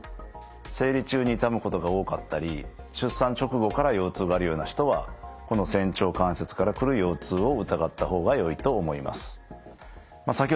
生理中に痛むことが多かったり出産直後から腰痛があるような人はこの仙腸関節から来る腰痛を疑った方がよいと思います。